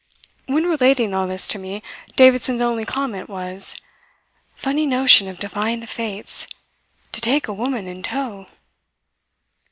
When relating all this to me, Davidson's only comment was: "Funny notion of defying the fates to take a woman in tow!"